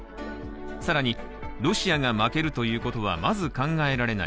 更に、ロシアが負けるということはまず考えられない。